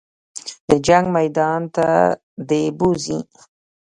د جنګ میدان ته دې بوځي.